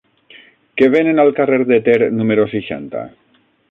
Què venen al carrer del Ter número seixanta?